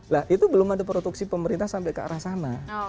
nah itu belum ada produksi pemerintah sampai ke arah sana